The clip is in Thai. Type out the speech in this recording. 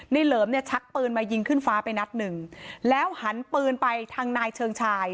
เหลิมเนี่ยชักปืนมายิงขึ้นฟ้าไปนัดหนึ่งแล้วหันปืนไปทางนายเชิงชาย